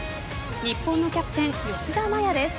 日本のキャプテン・吉田麻也です。